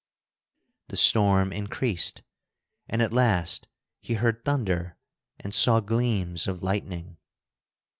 The storm increased, and at last he heard thunder and saw gleams of lightning.